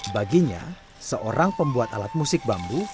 baginya seorang pembuat alat musik bambu